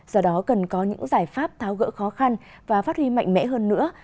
do đó cần có những giải pháp tháo gỡ khó khăn và phát huy mạnh mẽ hơn nữa